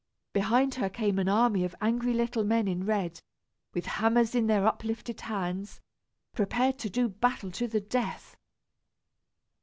Behind her came an army of angry little men in red, with hammers in their uplifted hands, prepared to do battle to the death.